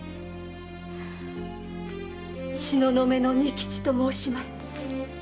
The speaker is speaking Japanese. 「東雲の仁吉」と申します。